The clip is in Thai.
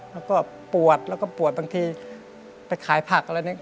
แล้วก็ปวดแล้วก็ปวดบางทีไปขายผักอะไรเนี่ย